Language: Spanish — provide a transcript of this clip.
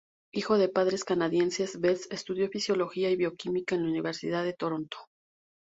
Hijo de padres canadienses, Best estudió fisiología y bioquímica en la Universidad de Toronto.